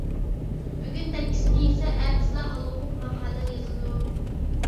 بۈگۈن دەككىسىنى يىسە، ئەتىسىلا ھال ئوقۇپ ماقالە يازىدۇ.